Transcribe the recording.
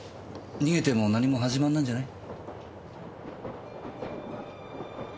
逃げても何も始まんないんじゃない？